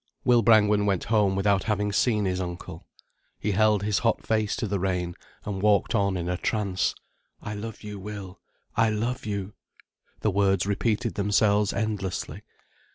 Will Brangwen went home without having seen his uncle. He held his hot face to the rain, and walked on in a trance. "I love you, Will, I love you." The words repeated themselves endlessly.